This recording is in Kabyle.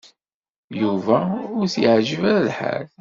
Yuba ur t-iɛejjeb ara lḥal.